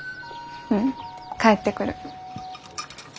うん帰ってくる。